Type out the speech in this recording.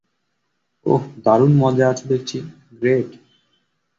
ওহ, দারুণ মজায় আছো দেখছি, গ্রেট!